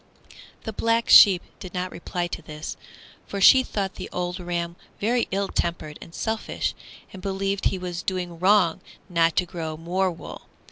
Black Sheep did not reply to this, for she thought the old ram very ill tempered and selfish, and believed he was doing wrong not to grow more wool.